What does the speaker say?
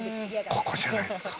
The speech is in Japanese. ここじゃないっすか？